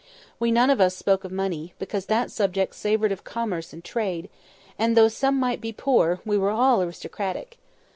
We none of us spoke of money, because that subject savoured of commerce and trade, and though some might be poor, we were all aristocratic.